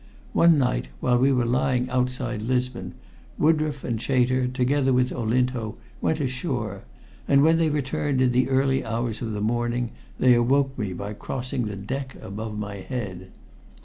One night, while we were lying outside Lisbon, Woodroffe and Chater, together with Olinto, went ashore, and when they returned in the early hours of the morning they awoke me by crossing the deck above my head.